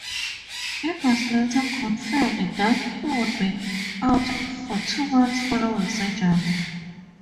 It was later confirmed that he would be out for two months following surgery.